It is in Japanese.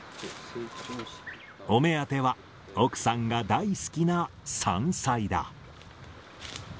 お目当ては、奥さんが大好きな山菜だ。